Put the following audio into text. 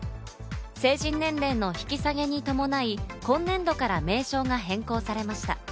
成人年齢の引き下げに伴い、今年度から名称が変更されました。